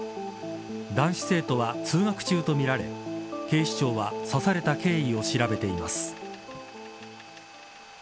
男子生徒は通学中とみられ警視庁は刺された経緯を調べています。